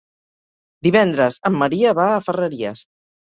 Divendres en Maria va a Ferreries.